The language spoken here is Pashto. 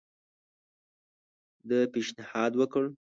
ده پېشنهاد وکړ.